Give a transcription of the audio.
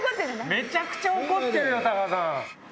めちゃくちゃ怒ってるよ太川さん。